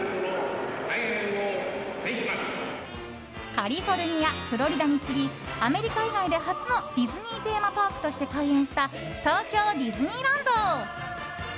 カリフォルニアフロリダに次ぎアメリカ以外で初のディズニーテーマパークとして開園した東京ディズニーランド。